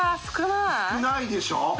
少ないでしょ？